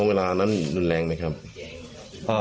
เวลานั้นรุนแรงไหมครับ